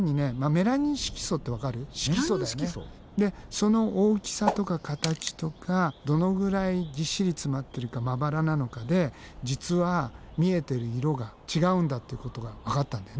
メラニン色素？でその大きさとか形とかどのぐらいぎっしり詰まってるかまばらなのかで実は見えてる色が違うんだってことがわかったんだよね。